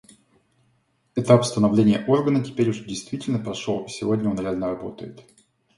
Этап становления Органа теперь уже действительно прошел, и сегодня он реально работает.